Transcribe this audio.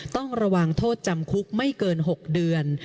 ต้องระวังโทษจำคุกไม่เกิน๖เดือน